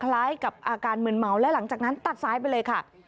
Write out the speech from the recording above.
คล้ายกับอาการมืนเมาและหลังจากนั้นตัดซ้ายไปเลยค่ะ